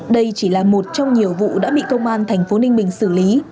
đây chỉ là một trong nhiều vụ đã bị công an tp ninh bình xử lý